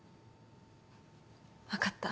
分かった。